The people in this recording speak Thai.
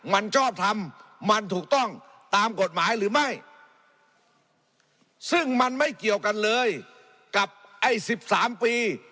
มันชอบทำมันถูกต้องตามกฎหมายหรือไม่ซึ่งมันไม่เกี่ยวกันเลยกับไอ้สิบสามปี